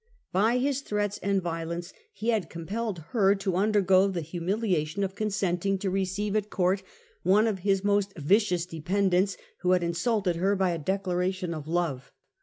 By his threats and violence he had compelled her to undergo the humiliation of consenting to receive at court one of his most vicious dependents, who had insulted her by a declaration of love.